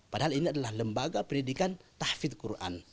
padahal ini adalah lembaga pendidikan tahfil quran